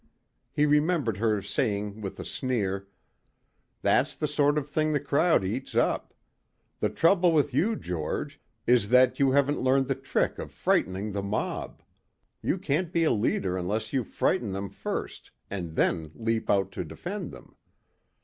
He remembered her saying with a sneer, "That's the sort of thing the crowd eats up. The trouble with you George, is that you haven't learned the trick of frightening the mob. You can't be a leader unless you frighten them first and then leap out to defend them.